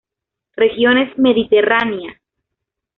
Regiones Mediterránea.